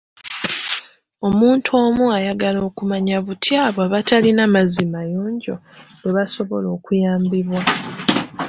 Omuntu omu ayagala okumanya butya abo abatalina mazzi mayonjo bwe basobola okuyambibwa.